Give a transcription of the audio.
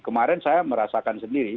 kemarin saya merasakan sendiri